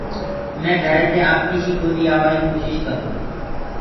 مي گھرينٚ دي آپيٚسي ڪودي آوآئيٚ ڪوشيٚش ڪرو تو